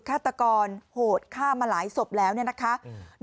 ฆาตกรโหดฆ่ามาหลายศพแล้วเนี่ยนะคะ